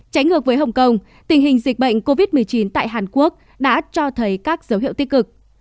tránh ngược với hồng kông tình hình dịch bệnh covid một mươi chín tại hàn quốc đã cho thấy các dấu hiệu tích cực